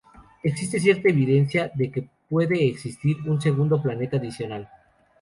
Existe cierta evidencia de que puede existir un segundo planeta adicional.